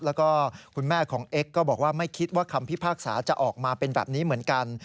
แล้วก็คุณแม่ของเอ็กซ์ก็บอกว่าไม่คิดว่าคำพิพากษาจะออกมาเป็นแบบนี้เหมือนกัน